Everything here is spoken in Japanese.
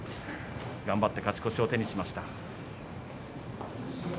頑張って勝ち越しを手にしました。